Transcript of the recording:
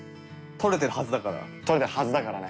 撮れてるはずだからね。